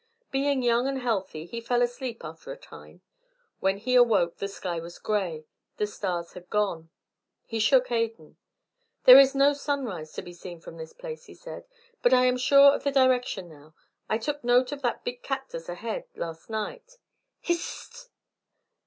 Being young and healthy, he fell asleep after a time. When he awoke the sky was grey, the stars had gone. He shook Adan. "There is no sunrise to be seen from this place," he said, "but I am sure of the direction now. I took note of that big cactus ahead, last night Hist!"